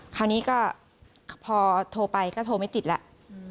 คราวนี้ก็พอโทรไปก็โทรไม่ติดแล้ว